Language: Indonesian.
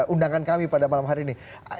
undangan kami pada malam hari ini